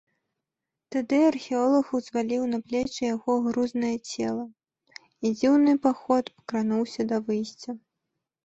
Тады археолаг узваліў на плечы яго грузнае цела, і дзіўны паход крануўся да выйсця.